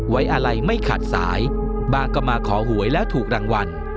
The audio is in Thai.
ไว้อะไรไม่ขาดสายบ้างก็มาขอหวยแล้วถูกรางวัล